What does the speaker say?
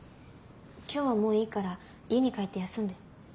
今日はもういいから家に帰って休んで。